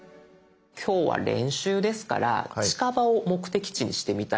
今日は練習ですから近場を目的地にしてみたいと思うんです。